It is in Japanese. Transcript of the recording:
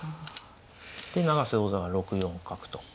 で永瀬王座が６四角と。